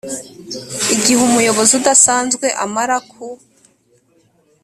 igihe umuyobozi udasanzwe amara ku